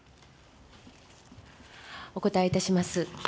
お答えいたします。